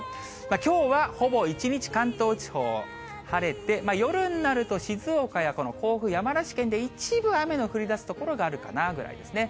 きょうはほぼ一日、関東地方、晴れて、夜になると、静岡や甲府、山梨県で一部雨の降りだす所があるかなぐらいですね。